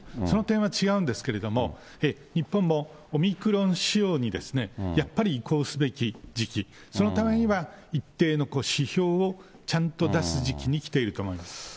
この点は違うんですけれども、日本もオミクロン使用にやっぱり移行すべき時期、そのためには、一定の指標をちゃんと出す時期にきていると思います。